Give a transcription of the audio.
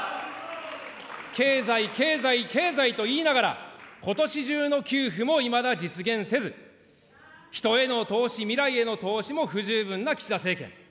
経済、経済、経済と言いながら、ことし中の給付も、いまだ実現せず、人への投資、未来への投資も不十分な岸田政権。